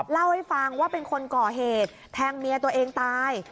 เล่าให้ฟังว่าเป็นคนก่อเหตุแทงเมียตัวเองตาย